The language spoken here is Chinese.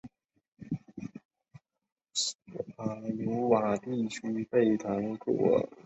瓦卢瓦地区贝唐库尔。